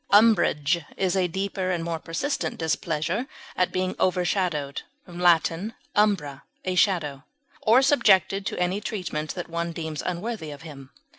Umbrage is a deeper and more persistent displeasure at being overshadowed (L. umbra, a shadow) or subjected to any treatment that one deems unworthy of him.